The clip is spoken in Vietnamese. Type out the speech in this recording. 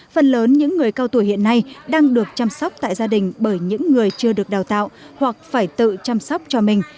phần lớn những người cao tuổi hiện nay đang được chăm sóc tại gia đình bởi những người chưa được đào tạo hoặc phải tự chăm sóc cho mình